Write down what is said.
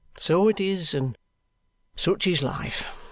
So it is, and such is life.